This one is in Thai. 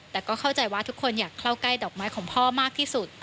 แต่ก็เข้าใจว่าทุกคนอยากเข้าใกล้ดอกไม้ของพ่อมากที่สุด